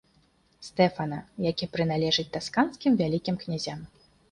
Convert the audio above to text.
Стэфана, які прыналежыць тасканскім вялікім князям.